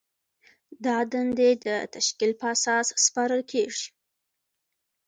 دا دندې د تشکیل په اساس سپارل کیږي.